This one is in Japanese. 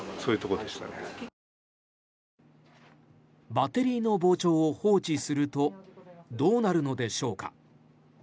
バッテリーの膨張を放置するとどうなるのでしょうか。